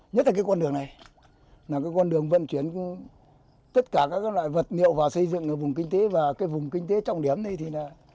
nhất là cái con đường này là cái con đường vận chuyển tất cả các loại vật liệu vào xây dựng ở vùng kinh tế và cái vùng kinh tế trọng điểm này thì là